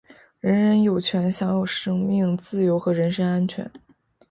人人有权享有生命、自由和人身安全。